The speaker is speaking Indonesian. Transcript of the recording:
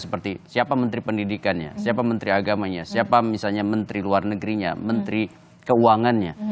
seperti siapa menteri pendidikannya siapa menteri agamanya siapa misalnya menteri luar negerinya menteri keuangannya